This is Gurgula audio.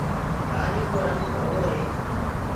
ڪآري ڪو رنگ ڌݪو هي۔